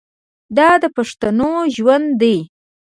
دا د پښتنو ژوند دی.